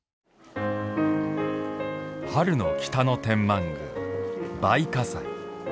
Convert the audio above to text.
春の北野天満宮、梅花祭。